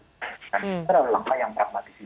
karena langkah yang pragmatis